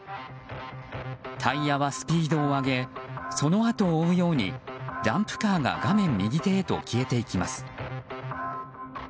タイヤはスピードを上げそのあとを追うようにダンプカーが画面右手へと消えていきます。